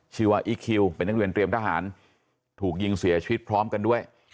ว่าอีคคิวเป็นนักเรียนเตรียมทหารถูกยิงเสียชีวิตพร้อมกันด้วย